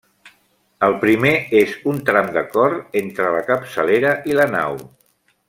El primer és un tram de cor, entre la capçalera i la nau.